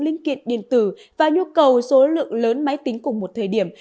linh kiện điện tử và nhu cầu số lượng lớn máy tính cùng một thời điểm